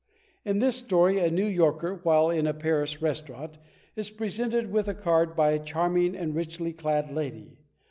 In this story, a New Yorker, while in a Paris restaurant, is presented with a card by a charming and richly clad lady.